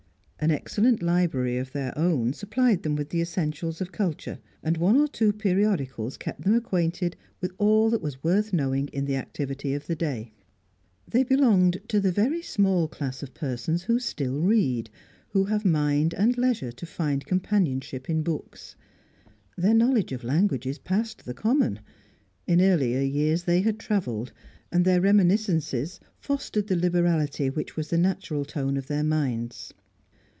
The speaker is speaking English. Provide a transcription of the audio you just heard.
An excellent library of their own supplied them with the essentials of culture, and one or two periodicals kept them acquainted with all that was worth knowing in the activity of the day. They belonged to the very small class of persons who still read, who have mind and leisure to find companionship in books. Their knowledge of languages passed the common; in earlier years they had travelled, and their reminiscences fostered the liberality which was the natural tone of their minds.